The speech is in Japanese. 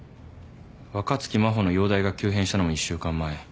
若槻真帆の容体が急変したのも１週間前。